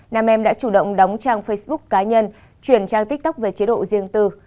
nam em đã chủ động đóng trang facebook cá nhân chuyển trang tiktok về chế độ riêng tư